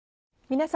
皆様。